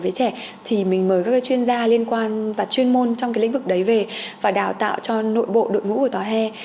với trẻ thì mình mời các cái chuyên gia liên quan và chuyên môn trong cái lĩnh vực đấy về và đào tạo cho nội bộ đội ngũ của tòa hè